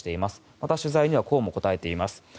また、取材にはこうも答えています。